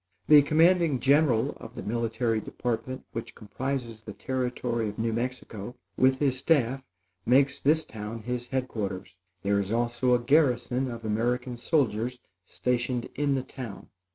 The commanding general of the military department which comprises the Territory of New Mexico, with his staff, makes this town his head quarters. There is also a garrison of American soldiers stationed in the town.